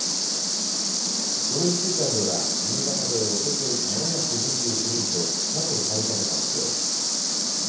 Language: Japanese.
この１週間では新潟でおととい７２９人と過去最多の発表。